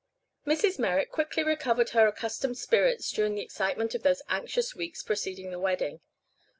Mrs. Merrick quickly recovered her accustomed spirits during the excitement of those anxious weeks preceding the wedding.